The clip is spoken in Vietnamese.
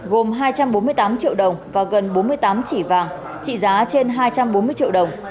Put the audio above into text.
gồm hai trăm bốn mươi tám triệu đồng và gần bốn mươi tám chỉ vàng trị giá trên hai trăm bốn mươi triệu đồng